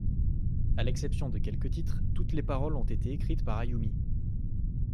À l'exception de quelques titres, toutes les paroles ont été écrites par Ayumi.